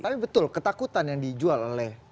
tapi betul ketakutan yang dijual oleh